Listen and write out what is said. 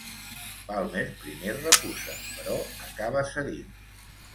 Palmer primer refusa, però acaba cedint.